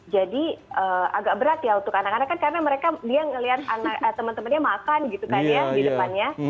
jadi agak berat ya untuk anak anak kan karena mereka dia ngelihat teman temannya makan gitu kan ya di depannya